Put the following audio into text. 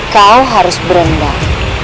kau harus berendah